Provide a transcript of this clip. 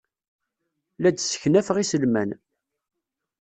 La d-sseknafeɣ iselman.